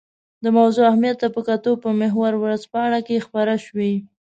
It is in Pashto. د موضوع اهمیت ته په کتو په محور ورځپاڼه کې خپره شوې.